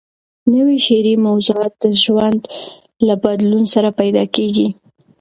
نوي شعري موضوعات د ژوند له بدلون سره پیدا کېږي.